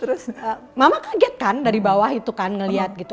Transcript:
terus mama kaget kan dari bawah itu kan ngelihat gitu